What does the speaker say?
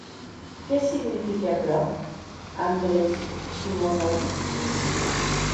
Qué signifique aquerò, Andrés Simonovitch?